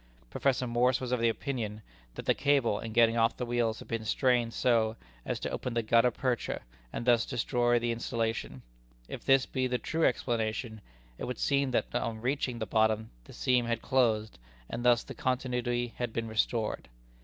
Professor Morse was of opinion that the cable, in getting off the wheels, had been strained so as to open the gutta percha, and thus destroy the insulation. If this be the true explanation, it would seem that on reaching the bottom the seam had closed, and thus the continuity had been restored.